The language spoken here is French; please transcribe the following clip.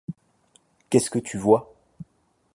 Qu’est-ce que tu vois ?